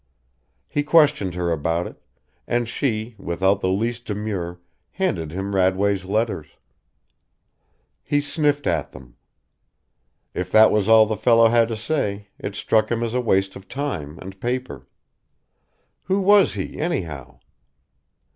He questioned her about it, and she, without the least demur, handed him Radway's letters. He sniffed at them. If that was all the fellow had to say it struck him as a waste of time and paper. Who was he, anyhow?